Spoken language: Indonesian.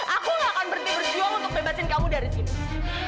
aku gak akan berjuang untuk bebasin kamu dari sini